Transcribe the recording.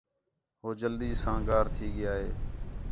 ہو جلدی ساں گار تھی ڳیا ہے